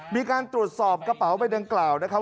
มีการตรวจสอบกระเป๋าใบดังกล่าวนะครับ